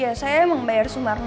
ya saya membayar sumarno